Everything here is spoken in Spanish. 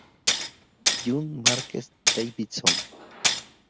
Jun Marques Davidson